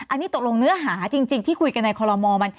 อันนี้ตกลงเนื้อหาจริงที่คุยกันในคอลโม